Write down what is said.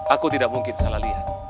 aku tidak mungkin salah lihat